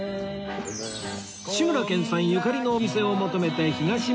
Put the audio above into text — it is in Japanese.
志村けんさんゆかりのお店を求めて東村山へ